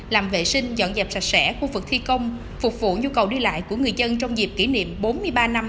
làm vệ sinh dọn dẹp sạch sẽ khu vực thi công phục vụ nhu cầu đi lại của người dân trong dịp kỷ niệm bốn mươi ba năm